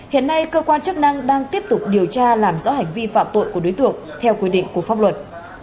hiện nay cơ quan chức năng đang tiếp tục điều tra làm rõ hành vi phạm tội của đối tượng theo quy định của pháp luật